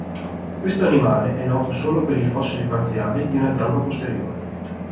Questo animale è noto solo per i fossili parziali di una zampa posteriore.